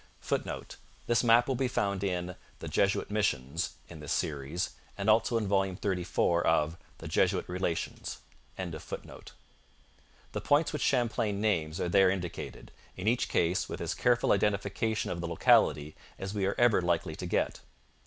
[Footnote: This map will be found in 'The Jesuit Missions 'in this Series, and also in vol. xxxiv of 'The Jesuit Relations,' ed. Thwaites.] The points which Champlain names are there indicated, in each case with as careful identification of the locality as we are ever likely to get.